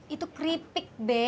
itu keripik be